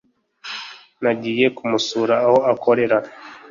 Nagiye kumusura aho akorera